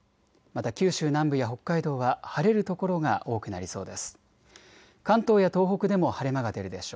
また九州南部や北海道は晴れる所が多くなりそうです。